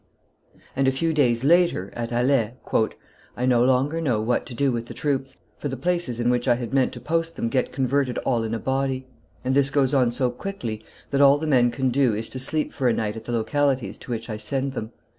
And a few days later, at Alais "I no longer know what to do with the troops, for the places in which I had meant to, post them get converted all in a body, and this goes on so quickly that all the men can do is to sleep for a night at the localities to which I send them.